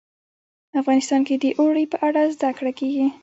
افغانستان کې د اوړي په اړه زده کړه کېږي.